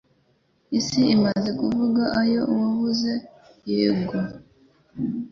Isi imaze kuvuga oya Wavuze yego